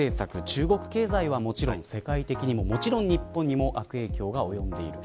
中国経済はもちろん世界的にももちろん日本にも悪影響がおよんでいる。